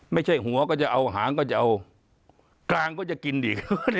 ไม่ใช่หัวก็จะเอาหางก็จะเอากลางก็จะกินอีก